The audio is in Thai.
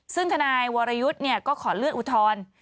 ซึ่งทนายวรยุทธ์ก็ขอเลื่อนอุทธรณ์